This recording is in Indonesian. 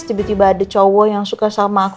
tiba tiba ada cowok yang suka sama aku